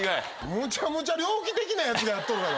むちゃむちゃ猟奇的なやつがやっとるやろ。